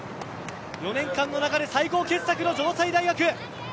４年間の中で最高傑作の城西大学